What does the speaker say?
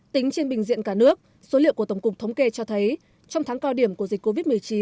tính trên bình diện cả nước số liệu của tổng cục thống kê cho thấy trong tháng cao điểm của dịch covid một mươi chín